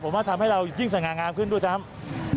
ผมว่าทำให้เรายิ่งสง่างามขึ้นด้วยซ้ำ